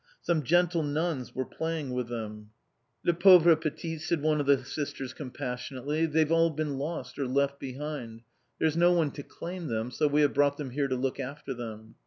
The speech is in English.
Some gentle nuns were playing with them. "Les pauvres petites!" said one of the sisters compassionately. "They've all been lost, or left behind; there's no one to claim them, so we have brought them here to look after them."